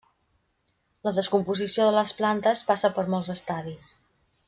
La descomposició de les plantes passa per molts estadis.